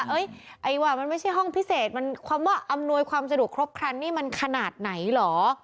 ไอ้ว่ามันไม่ใช่ห้องพิเศษมันคำว่าอำนวยความสะดวกครบครันนี่มันขนาดไหนเหรอ